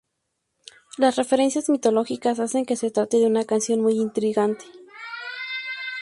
Las referencias mitológicas hacen que se trate de una canción muy intrigante.